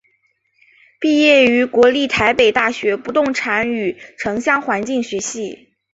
毕业于国立台北大学不动产与城乡环境学系。